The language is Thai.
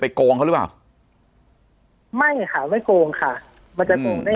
ปากกับภาคภูมิ